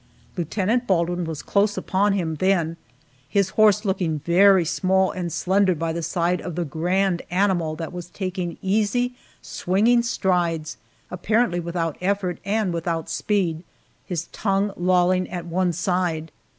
Lieutenant Baldwin was close upon him then, his horse looking very small and slender by the side of the grand animal that was taking easy, swinging strides, apparently without effort and without speed, his tongue lolling at one side.